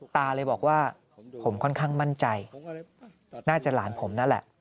ตาเลยบอกว่าผมค่อนข้างมั่นใจน่าจะหลานผมนั่นแหละ